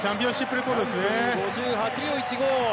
３分５８秒１５。